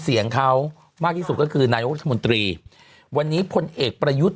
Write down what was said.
เสียงเขามากที่สุดก็คือนายกรัฐมนตรีวันนี้พลเอกประยุทธ์